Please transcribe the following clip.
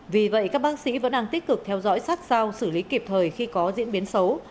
vì vậy các bác sĩ vẫn đang tích cực theo dõi sát sao xử lý kịp thời khi có diễn biến xấu